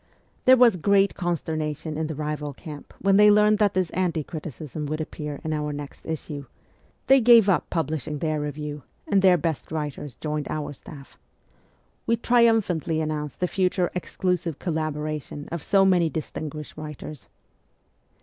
There was great consternation in the 80 MEMOIRS OF A REVOLUTIONIST rival camp when they learned that this anti criticism would appear in our next issue ; they gave up publishing their review and their best writers joined our staff. We triumphantly announced the future ' exclusive collaboration ' of so many distinguished writers.